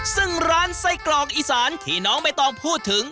ซึ่งร้านไส้กรอกอีสานที่น้องใบตองพูดถึง